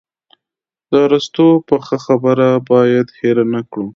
د ارسطو پخه خبره باید هېره نه کړو.